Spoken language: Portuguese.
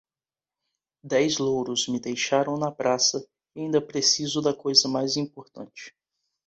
Dez louros me deixaram na praça e ainda preciso da coisa mais importante.